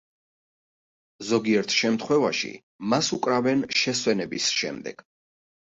ზოგიერთ შემთხვევაში მას უკრავენ შესვენების შემდეგ.